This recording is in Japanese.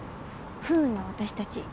不運な私たち。